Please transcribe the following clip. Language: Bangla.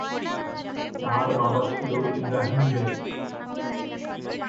তাঁর বাবা ছিলেন ইব্রাহিম বে।